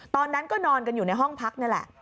ตอนนั้นก็นอนกันอยู่ในห้องพักนี่แหละ